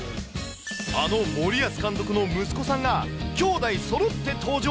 あの森保監督の息子さんが、兄弟そろって登場。